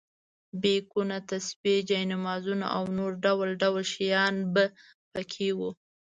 بیکونه، تسبیح، جاینمازونه او نور ډول ډول شیان په کې وو.